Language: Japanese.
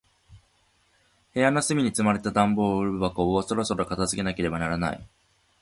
部屋の隅に積まれた段ボール箱を、そろそろ片付けなければならない。